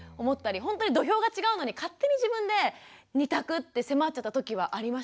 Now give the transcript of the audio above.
ほんとに土俵が違うのに勝手に自分で２択って迫ってた時はありましたね。